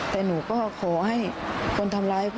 แต่หนูก็ขอให้คนทำร้าย